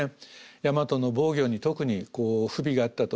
大和の防御に特に不備があったと。